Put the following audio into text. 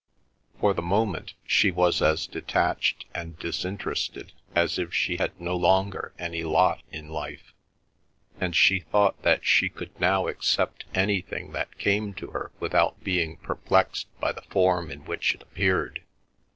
For the moment she was as detached and disinterested as if she had no longer any lot in life, and she thought that she could now accept anything that came to her without being perplexed by the form in which it appeared.